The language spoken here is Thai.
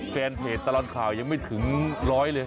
แฟนเพจตลอดข่าวยังไม่ถึงร้อยเลย